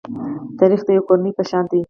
تاریخ د یوې کورنۍ په شان دی.